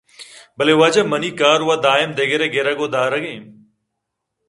بلے واجہ منی وَ کار دائم دگرءِ گِرگ ءُ دارگیں